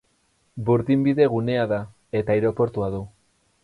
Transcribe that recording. Burdinbide gunea da eta aireportua du.